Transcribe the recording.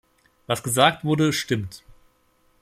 Was gesagt wurde stimmt.